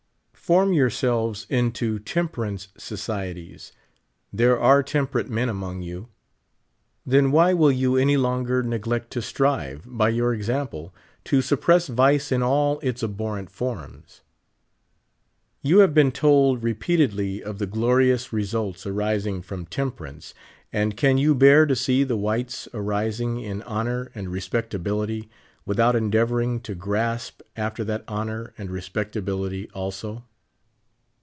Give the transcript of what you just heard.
Form 3'ourselves into temperance soci eties. There are temperate men among you ; then why will you any longer neglect to strive, by your example, to suppress vice in all its abhorrent forms ? You have been told repeatedl}^ of the glorious results arising from temperance, and can you bear to see the whites arising in honor and respectability without endeavoring to grasp after that honor and respectability also